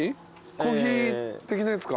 コーヒー的なやつか。